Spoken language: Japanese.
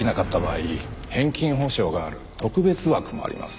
返金保証がある特別枠もあります。